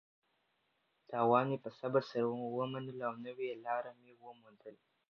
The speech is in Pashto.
تاوان مې په صبر سره ومنلو او نوې لاره مې وموندله.